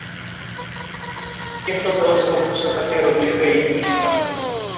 U těchto teleskopu se také rozlišuje jejich výška.